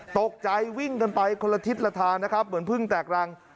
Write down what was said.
ตกใจวิ่งกันไปคนละทิศละทางนะครับเหมือนเพิ่งแตกรัง